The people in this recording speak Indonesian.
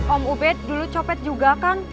om ubed dulu copet juga kan